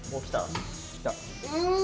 うん！